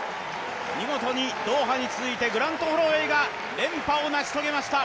見事にドーハに続いてグラント・ホロウェイが連覇を成し遂げました。